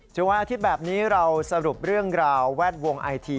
วันอาทิตย์แบบนี้เราสรุปเรื่องราวแวดวงไอที